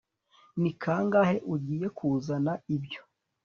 Ni kangahe ugiye kuzana ibyo